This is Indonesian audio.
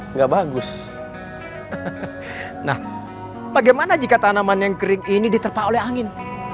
enggak bagus nah bagaimana jika tanaman yang kering ini diterpah oleh angin